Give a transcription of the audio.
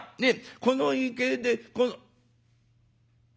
この池でこの」。